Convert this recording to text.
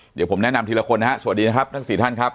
เดี๋ยวผมแนะนำทีละคนนะฮะสวัสดีนะครับทั้ง๔ท่านครับ